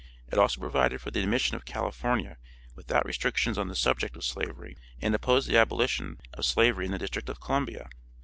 It also provided for the admission of California without restrictions on the subject of slavery, and opposed the abolition of slavery in the District of Columbia.